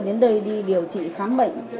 đến đây đi điều trị khám bệnh